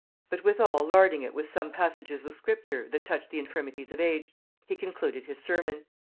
but withal interlarding it with some passages of Scripture that touch the infirmities of age... he concluded his sermon.